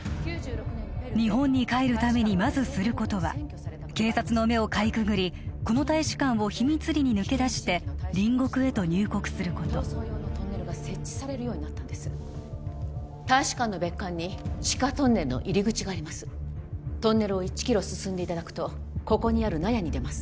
日本に帰るためにまずすることは警察の目をかいくぐりこの大使館を秘密裏に抜け出して隣国へと入国すること逃走用のトンネルが設置されるようになったんです大使館の別館に地下トンネルの入り口がありますトンネルを１キロ進んでいただくとここにある納屋に出ます